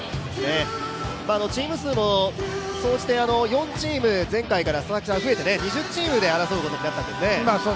チーム数も総じて４チーム、前回から増えて２０チームで争うことになったんですね。